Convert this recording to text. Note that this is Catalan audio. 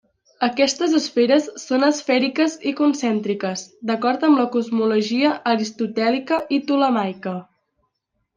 Aquestes esferes són esfèriques i concèntriques, d'acord amb la cosmologia aristotèlica o ptolemaica.